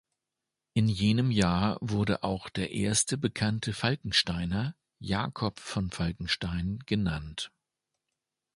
In jenem Jahr wurde auch der erste bekannte Falkensteiner, Jacob von Falkenstein, genannt.